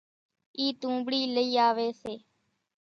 اِي تونٻڙِي لئِي آويَ سي۔